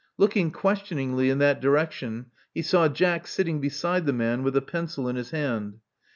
Looking questioningly in that direction, he saw Jack sitting beside the man with a pencil in his hand.